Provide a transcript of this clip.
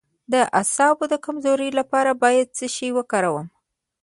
د اعصابو د کمزوری لپاره باید څه شی وکاروم؟